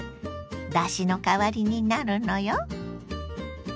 だしの代わりになるのよ。